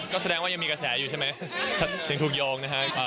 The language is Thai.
ก็แสดงว่ายังมีกระแสอยู่ใช่ไหมยังถูกโยงนะฮะ